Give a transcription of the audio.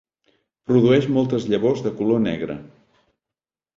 Produeix moltes llavors de color negre.